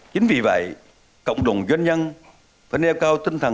chính vì vậy cộng đồng doanh nhân phải nêu cao tinh thần